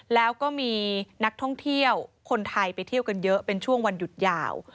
แล้วก็มีนักท่องเที่ยวคนไทยไปเที่ยวกันเยอะเป็นช่วงวันหยุดยาว